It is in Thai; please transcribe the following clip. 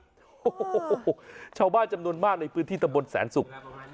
โอ้โหชาวบ้านจำนวนมากในพื้นที่ตำบลแสนศุกร์